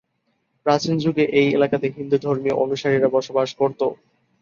প্রাচীন যুগে এই এলাকাতে হিন্দু ধর্মীয় অনুসারীরা বসবাস করত।